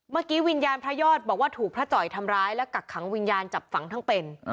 วิญญาณพระยอดบอกว่าถูกพระจ่อยทำร้ายและกักขังวิญญาณจับฝังทั้งเป็น